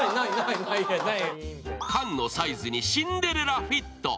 管のサイズにシンデレラフィット。